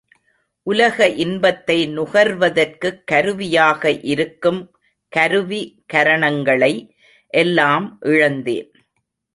உலக இன்பத்தை நுகர்வதற்குக் கருவியாக இருக்கும் கருவி கரணங்களை எல்லாம் இழந்தேன்.